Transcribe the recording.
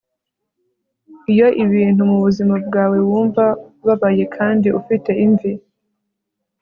iyo ibintu mubuzima bwawe wumva ubabaye kandi ufite imvi